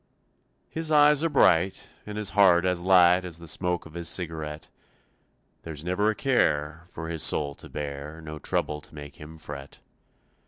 His eyes are bright And his heart as light As the smoke of his cigarette; There's never a care For his soul to bear, No trouble to make him fret.